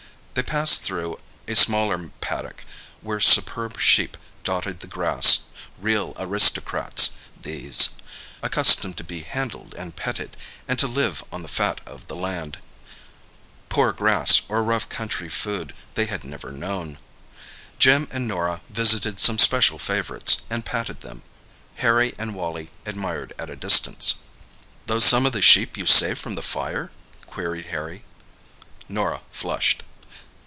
They passed through a smaller paddock where superb sheep dotted the grass—real aristocrats these, accustomed to be handled and petted, and to live on the fat of the land—poor grass or rough country food they had never known. Jim and Norah visited some special favourites, and patted them. Harry and Wally admired at a distance. "Those some of the sheep you saved from the fire?" queried Harry. Norah flushed.